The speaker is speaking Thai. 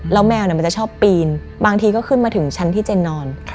แล้วแมวมันจะชอบปีนบางทีก็ขึ้นมาถึงชั้นที่เจนนอน